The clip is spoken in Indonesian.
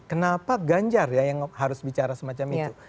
kenapa ganjar ya yang harus bicara semacam itu